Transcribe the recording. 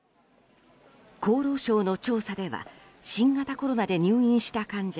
厚労省の調査では新型コロナで入院した患者